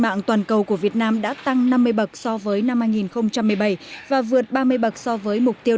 mạng toàn cầu của việt nam đã tăng năm mươi bậc so với năm hai nghìn một mươi bảy và vượt ba mươi bậc so với mục tiêu